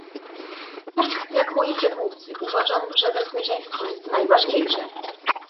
Tak jak moi przedmówcy, uważam, że bezpieczeństwo jest najważniejsze